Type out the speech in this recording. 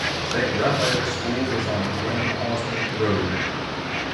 Saint Raphael's School is on Glen Osmond Road.